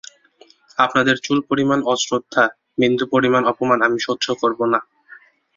আপনাদের চুল পরিমাণ অশ্রদ্ধা, বিন্দু পরিমাণ অপমান আমি সহ্য করব না।